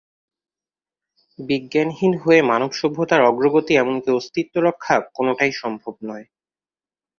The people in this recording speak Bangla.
বিজ্ঞানহীন হয়ে মানব সভ্যতার অগ্রগতি এমনকি অস্তিত্ব রক্ষা; কোনটাই সম্ভব নয়।